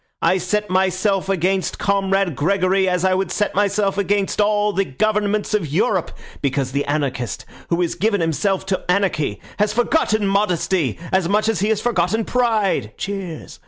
I set myself against Comrade Gregory as I would set myself against all the Governments of Europe, because the anarchist who has given himself to anarchy has forgotten modesty as much as he has forgotten pride (cheers).